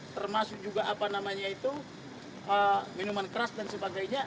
termasuk juga apa namanya itu minuman keras dan sebagainya